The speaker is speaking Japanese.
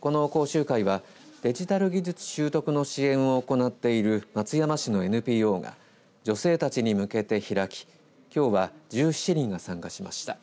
この講習会は、デジタル技術習得の支援を行っている松山市のＮＰＯが女性たちに向けて開ききょうは１７人が参加しました。